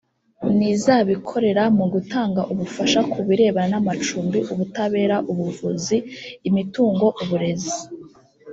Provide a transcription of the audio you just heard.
n iz abikorera mu gutanga ubufasha ku birebana n amacumbi ubutabera ubuvuzi imitungo uburezi